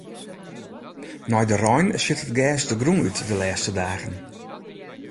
Nei de rein sjit it gers de grûn út de lêste dagen.